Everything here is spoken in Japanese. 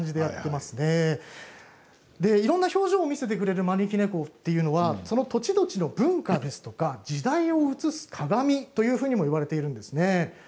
いろんな表情も見せてくれる招き猫というのはその土地土地の文化や時代を映す鏡と言われているんです。